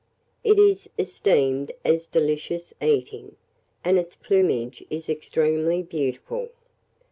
It is esteemed as delicious eating, and its plumage is extremely beautiful.